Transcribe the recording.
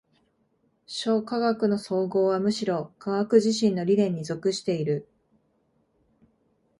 諸科学の綜合はむしろ科学自身の理念に属している。